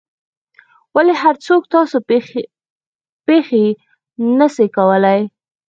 ولي هر څوک ستاسو پېښې نه سي کولای؟